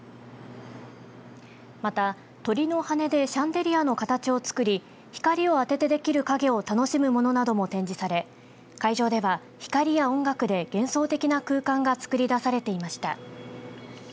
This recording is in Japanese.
また、鳥の羽でシャンデリアの形を作り光を当ててできる影を楽しむものなども展示され会場では光や音楽で幻想的な空間が作り出されていました。